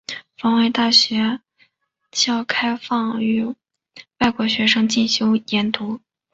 防卫大学校开放予外国学生进修研读。